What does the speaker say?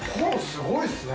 「すごいな」